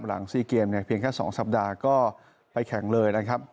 ๔เกมเนี่ยเพียงแค่๒สัปดาห์ก็ไปแข่งเลยนะครับ